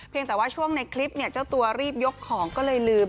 แต่ว่าช่วงในคลิปเนี่ยเจ้าตัวรีบยกของก็เลยลืม